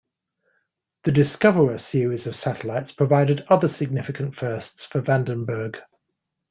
The Discoverer series of satellites provided other significant firsts for Vandenberg.